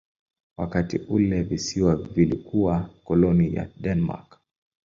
Wakati ule visiwa vilikuwa koloni ya Denmark.